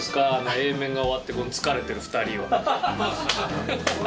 Ａ面が終わって疲れてる２人は。